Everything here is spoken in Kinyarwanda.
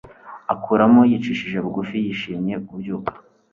Akuramo yicishije bugufi yishimye kubyuka